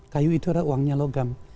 kayu itu adalah uangnya logam